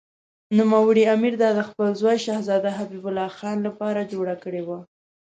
نوموړي امیر دا د خپل زوی شهزاده حبیب الله خان لپاره جوړه کړې وه.